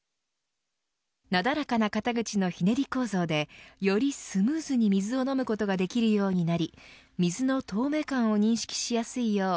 なだらかな肩口のひねり構造でよりスムーズに水を飲むことができるようになり水の透明感を認識しやすいよう